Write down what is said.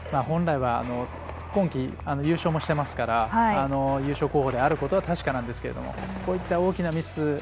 本来は今季優勝もしていますから優勝候補であることは確かですがこういった大きなミス。